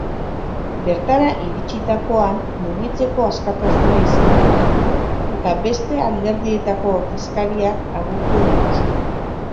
Bertara iritsitakoan, mugitzeko askatasuna izan dute eta beste alderdietako ordezkariak agurtu dituzte.